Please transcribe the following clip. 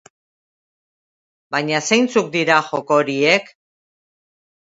Baina zeintzuk dira joko horiek?